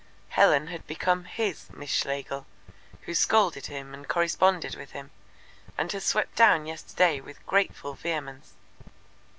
Helen had become "his" Miss Schlegel, who scolded him and corresponded with him, and had swept down yesterday with grateful vehemence.